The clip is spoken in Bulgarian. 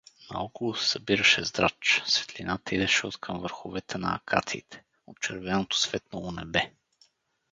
Наоколо се събираше здрач светлината идеше откъм върховете на акациите, от червеното светнало небе.